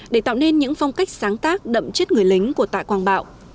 để tạo nên những phong cách sáng tác đậm chất người lính của tạ quang bảo